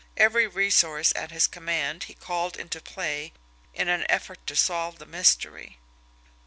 Every resource at his command he had called into play in an effort to solve the mystery.